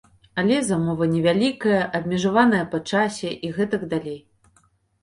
Але замова невялікая, абмежаваная па часе, і гэтак далей.